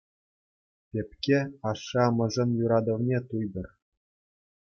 Пепке ашшӗ-амӑшӗн юратӑвне туйтӑр.